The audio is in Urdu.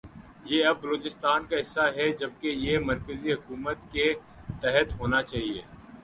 یہ اب بلوچستان کا حصہ ھے جبکہ یہ مرکزی حکومت کے تحت ھوناچاھیے۔